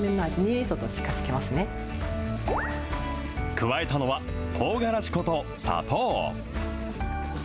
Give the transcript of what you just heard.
加えたのは、とうがらし粉と砂糖。